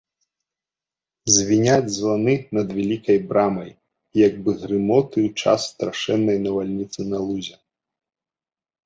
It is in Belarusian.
Звіняць званы над вялікай брамай, як бы грымоты ў час страшэннай навальніцы на лузе.